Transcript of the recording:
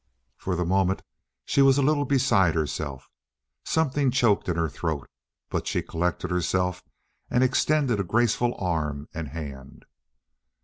For the moment she was a little beside herself. Something choked in her throat; but she collected herself and extended a graceful arm and hand.